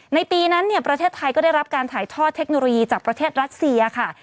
ในปีนั้นเนี่ยประเทศไทยก็ได้รับการถ่ายทอดเทคโนโลยีจากประเทศรัสเซียค่ะ